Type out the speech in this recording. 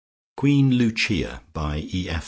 Queen Lucia by E. F.